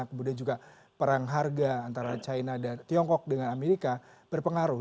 kemudian juga perang harga antara china dan tiongkok dengan amerika berpengaruh